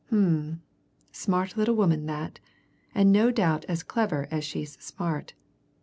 Um! smart little woman that, and no doubt as clever as she's smart.